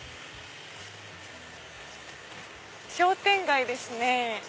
商店街ですね。